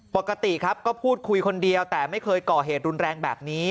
ปกติครับก็พูดคุยคนเดียวแต่ไม่เคยก่อเหตุรุนแรงแบบนี้